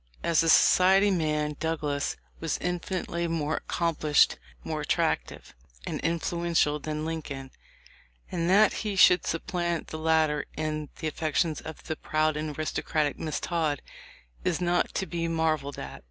As a society man Douglas was infinitely more accomplished, more attractive THE LIFE OF LINCOLN. 211 and influential than Lincoln, and that he should supplant the latter in the affections of the proud and aristocratic Miss Todd is not to be marveled at.